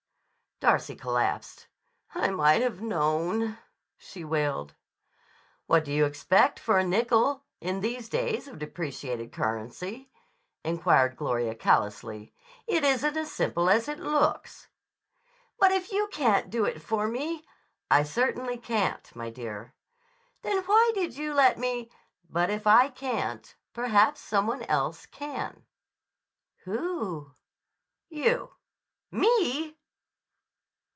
Darcy collapsed. "I might have known," she wailed. "What do you expect for a nickel, in these days of depreciated currency?" inquired Gloria callously. "It isn't as simple as it looks." "But if you can't do it for me—" "I certainly can't, my dear." "Then why did you let me—" "But if I can't, perhaps some one else can." "Who?" "You." "Me!"